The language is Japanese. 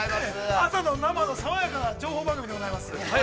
◆朝の生の爽やかな情報番組でございます。